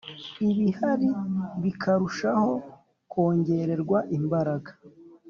ibihari bikarushaho kongererwa imbaraga